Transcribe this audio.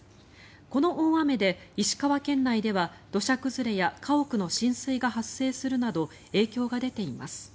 この大雨で石川県内では土砂崩れや家屋の浸水が発生するなど影響が出ています。